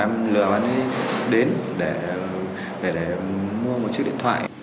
em lừa bạn ấy đến để mua một chiếc điện thoại